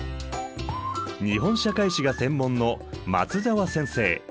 日本社会史が専門の松沢先生。